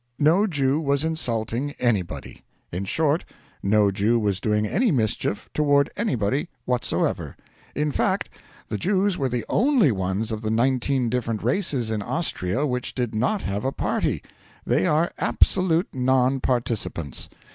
No Jew was insulting anybody. In short, no Jew was doing any mischief toward anybody whatsoever. In fact, the Jews were the only ones of the nineteen different races in Austria which did not have a party they are absolute non participants.